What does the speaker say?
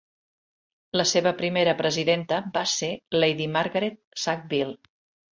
La seva primera presidenta va ser Lady Margaret Sackville.